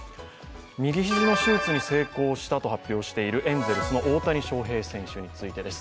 右肘の手術に成功したと発表しているエンゼルスの大谷翔平選手についてです。